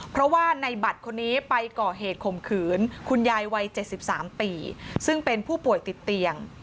เพราะว่าในบัตรคนนี้ไปก่อเหตุข่มขืนคุณยายวัย๗๓ปีซึ่งเป็นผู้ป่วยติดเตียง